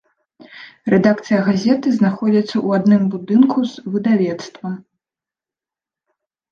Рэдакцыя газеты знаходзіцца ў адным будынку з выдавецтвам.